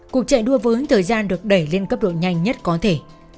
cuộc chạy đua với thời gian được đẩy lên cấp độ nhanh nhất có thể